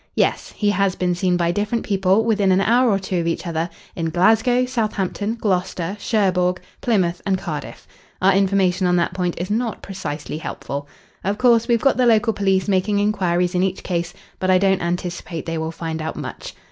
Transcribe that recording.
"Yes. He has been seen by different people within an hour or two of each other in Glasgow, Southampton, Gloucester, Cherbourg, Plymouth, and Cardiff. Our information on that point is not precisely helpful. Of course, we've got the local police making inquiries in each case, but I don't anticipate they will find out much.